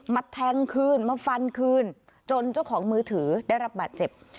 แทงคืนมาฟันคืนจนเจ้าของมือถือได้รับบาดเจ็บ